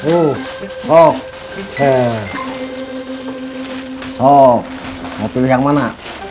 oh oh oh oh mau pilih yang mana